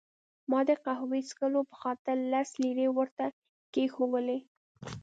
ما د قهوې څښلو په خاطر لس لیرې ورته کښېښوولې.